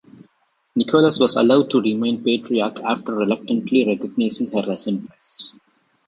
Nicholas was allowed to remain patriarch after reluctantly recognizing her as empress.